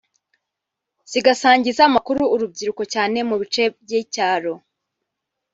zigasangiza amakuru urubyiruko cyane mu bice by’icyaro